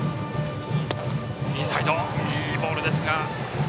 インサイド、いいボールでした。